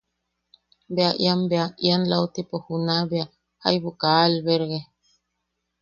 Bea ian bea... ian lautipo juna bea... jaibu kaa alberge.